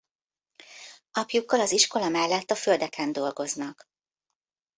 Apjukkal az iskola mellett a földeken dolgoznak.